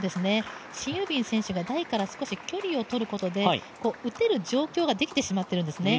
シン・ユビン選手が台から少し距離を取ることで打てる状況ができてしまっているんですね。